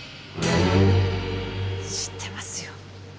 知ってますよ。